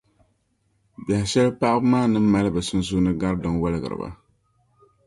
Biɛhi shɛli paɣaba ni mali bɛ sunsuuni gari din waligiri ba.